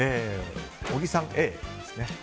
小木さん、Ａですね。